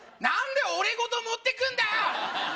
何で俺ごと持ってくんだよ